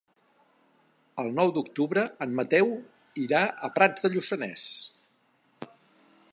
El nou d'octubre en Mateu irà a Prats de Lluçanès.